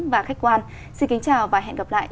và khách quan xin kính chào và hẹn gặp lại